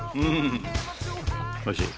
おいしい？